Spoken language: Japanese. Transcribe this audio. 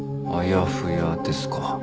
あやふやですか。